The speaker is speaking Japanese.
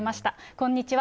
こんにちは。